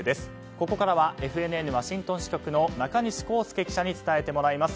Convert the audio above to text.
ここからはＦＮＮワシントン支局の中西孝介記者に伝えてもらいます。